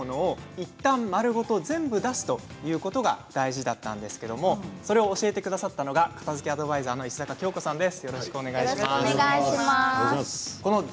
いったん丸ごと全部出すということが大事なんですけれどそれを教えてくださったのが片づけアドバイザーの石阪京子さんです。